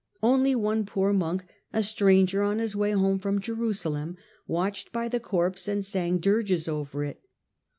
Only one poor monk, a stranger on his way home from Jerusalem, watched by the corpse and sang dirges over it.